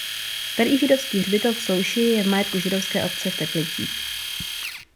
Starý židovský hřbitov v Souši je v majetku Židovské obce v Teplicích.